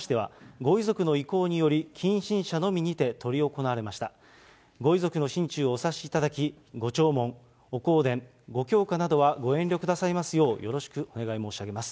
ご遺族の心中をご察しいただき、ご弔問、ご香典、ご供花などはご遠慮くださいますようよろしくお願い申し上げます。